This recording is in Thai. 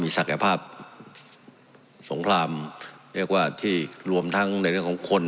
ศักยภาพสงครามเรียกว่าที่รวมทั้งในเรื่องของคน